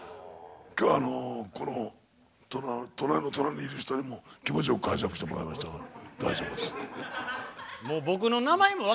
今日はこの隣の隣にいる人にも気持ちよく介錯してもらえましたから大丈夫です。